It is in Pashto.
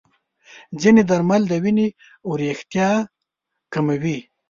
ځینې درمل د وینې وریښتیا کموي.